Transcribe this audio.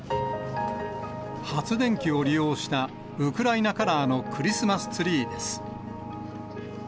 発電機を利用したウクライナカラーのクリスマスツリーです。